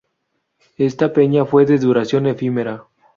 Esta peña fue de duración efímera.